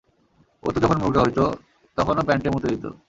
ও তো যখন মুরগা হইতো তখনও প্যান্টে মুতে দিত।